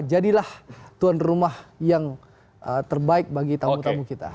jadilah tuan rumah yang terbaik bagi tamu tamu kita